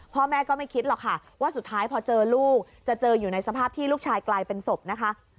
พ่อแม่ก็ไม่คิดหรอกค่ะว่าสุดท้ายพอเจอลูกจะเจออยู่ในสภาพที่ลูกชายกลายเป็นศพนะคะ